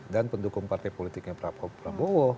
dan pendukung partai politiknya prabowo